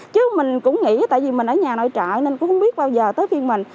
chứ mình cũng nghĩ tại vì mình ở nhà nội trợ nên cũng không biết bao giờ tới phiên mình